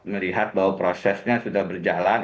melihat bahwa prosesnya sudah berjalan